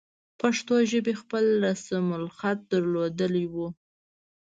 پښتو ژبې خپل رسم الخط درلودلی وو.